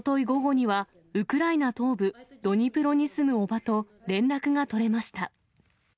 午後には、ウクライナ東部ドニプロに住むおばと連絡が取れました。